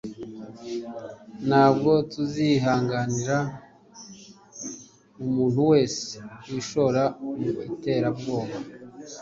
Ntabwo tuzihanganira umuntu wese wishora mu iterabwoba